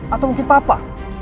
atau mungkin papa